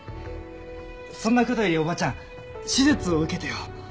そんな事よりおばちゃん手術を受けてよ。